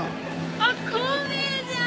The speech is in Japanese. あっ孔明じゃん！